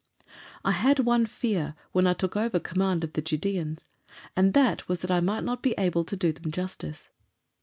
I had one fear when I took over command of the Judæans, and that was that I might not be able to do them justice.